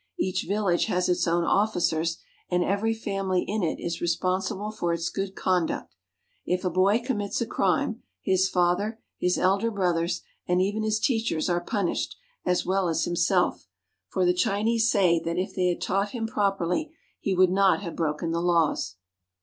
Each village has its own officers, and every family in it is responsible for its good conduct. If a boy commits a crime, his father, his elder brothers, and even his teachers are punished, as well as himself ; for the Chinese say that if they had taught him properly, he would not have broken the laws.